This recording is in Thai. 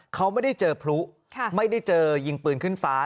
เขาไม่ได้เจอพลุไม่ได้เจอยิงปืนขึ้นฟ้า